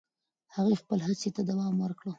هغې خپل هڅې ته دوام ورکړ.